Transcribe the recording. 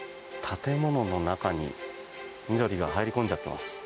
建物の中に緑が入り込んじゃってます。